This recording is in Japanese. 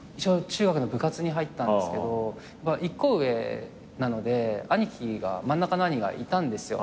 中学の部活に入ったんですけど１個上なので真ん中の兄がいたんですよ。